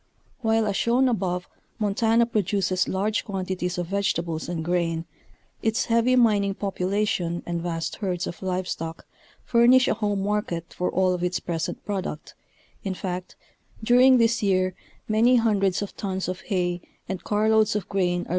While as shown above Montana produces large quantities of vegetables and grain, its heavy mining population and vast herds of live stock furnish a home market for all of its present product, in fact, during this year many hundreds of tons of hay and car loads of grain are.